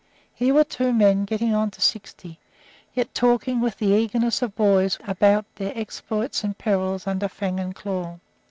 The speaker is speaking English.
Here were two men getting on to sixty, yet talking with the eagerness of boys about their exploits and perils under fang and claw.